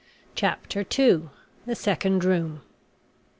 CHAPTER TWO. THE SECOND ROOM.